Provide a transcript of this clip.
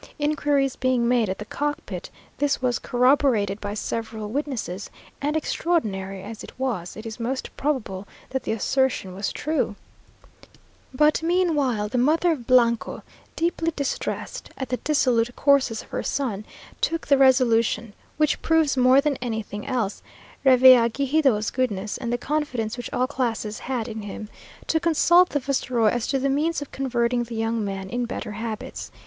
Inquiries being made at the cock pit, this was corroborated by several witnesses, and extraordinary as it is, it is most probable that the assertion was true. But meanwhile, the mother of Blanco, deeply distressed at the dissolute courses of her son, took the resolution (which proves more than anything else Revillagigedo's goodness, and the confidence which all classes had in him) to consult the viceroy as to the means of converting the young man to better habits.